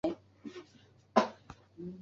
系统命名法恶作剧可以为